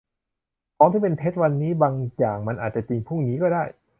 ของที่เป็นเท็จวันนี้ บางอย่างมันอาจจะจริงพรุ่งนี้ก็ได้